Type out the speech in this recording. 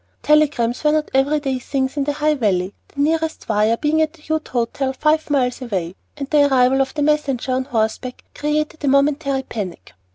Telegrams were not every day things in the High Valley, the nearest "wire" being at the Ute Hotel five miles away; and the arrival of the messenger on horseback created a momentary panic.